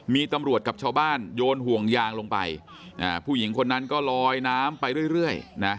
มีตำรวจกับชาวบ้านโยนห่วงยางลงไปผู้หญิงคนนั้นก็ลอยน้ำไปเรื่อยนะ